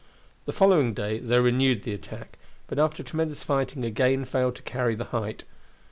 The following day they renewed the attack, but after tremendous fighting again failed to carry the height.